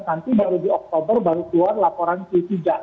nanti baru di oktober baru keluar laporan q tiga gitu ya